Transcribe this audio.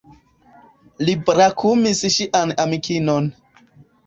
Li brakumis ŝian amikinon.